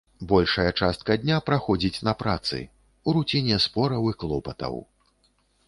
Большая частка дня праходзіць на працы, у руціне спраў і клопатаў.